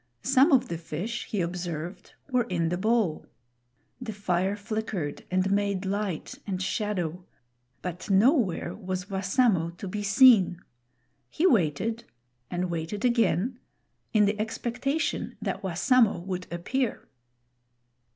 Some of the fish, he observed, were in the bowl. The fire flickered and made light and shadow; but nowhere was Wassamo to be seen. He waited, and waited again, in the expectation that Wassamo would appear.